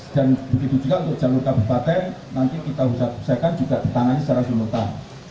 dan begitu juga untuk jalur kabupaten nanti kita usahakan juga bertangani secara seluruh tahun